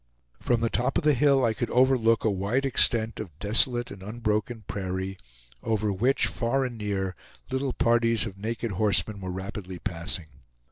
From the top of the hill I could overlook a wide extent of desolate and unbroken prairie, over which, far and near, little parties of naked horsemen were rapidly passing.